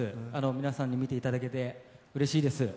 皆さんに見ていただけてうれしいです。